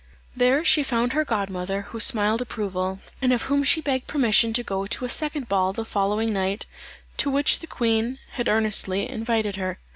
There she found her godmother, who smiled approval; and of whom she begged permission to go to a second ball, the following night, to which the queen had earnestly invited her.